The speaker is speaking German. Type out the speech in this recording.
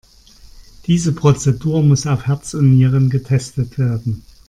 Diese Prozedur muss auf Herz und Nieren getestet werden.